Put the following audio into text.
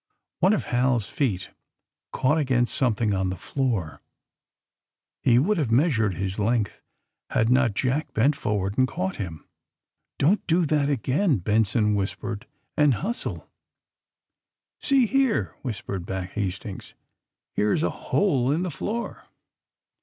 One of Hal's feet caught against something on the floor. He would have measured his length had not eJack bent forward and caught him. Don't do that again," Benson whispered grimly. '* And — ^hustle !'* AND THE SMUGGLERS 81 '^See here!" whispered back Hastings. *' Here's a hole in the floor.''